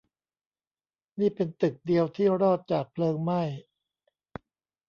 นี่เป็นตึกเดียวที่รอดจากเพลิงไหม้